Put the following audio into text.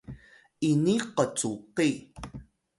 ini qcuqi